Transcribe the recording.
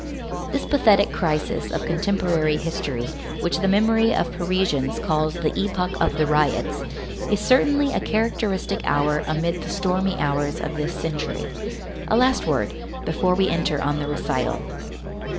This pathetic crisis of contemporary history which the memory of Parisians calls "the epoch of the riots," is certainly a characteristic hour amid the stormy hours of this century. A last word, before we enter on the recital.